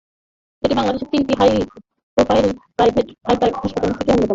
এটি বাংলাদেশে তিনটি হাই-প্রাইভেট প্রাইভেট হাসপাতালের মধ্যে অন্যতম।